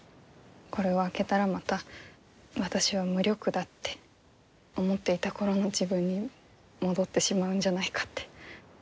これを開けたらまた私は無力だって思っていた頃の自分に戻ってしまうんじゃないかって。